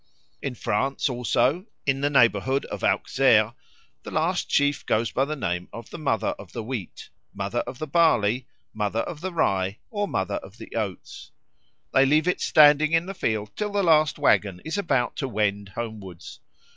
In France, also, in the neighbourhood of Auxerre, the last sheaf goes by the name of the Mother of the Wheat, Mother of the Barley, Mother of the Rye, or Mother of the Oats. They leave it standing in the field till the last waggon is about to wend homewards.